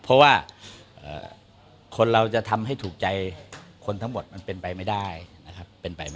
เพราะว่าคนเราจะทำให้ถูกใจคนทั้งหมดมันเป็นไปไม่ได้นะครับ